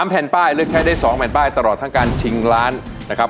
แผ่นป้ายเลือกใช้ได้๒แผ่นป้ายตลอดทั้งการชิงล้านนะครับ